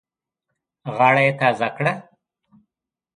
غاړه یې تازه کړه.